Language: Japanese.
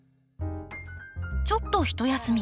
ちょっとひと休み。